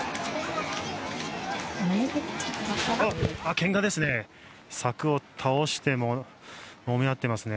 けんかですね。